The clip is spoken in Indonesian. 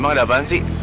emang ada apaan sih